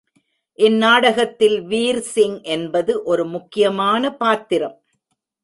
இந் நாடகத்தில் வீர்சிங் என்பது ஒரு முக்கியமான பாத்திரம்.